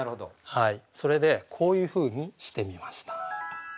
それでこういうふうにしてみました。